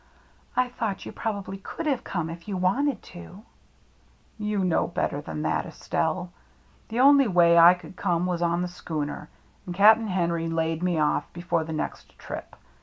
" I thought you probably could have come if you'd wanted to !"" You know better than that, Estelle. The only way I could come was on the schooner, and Cap'n Henry laid me off before the next trip.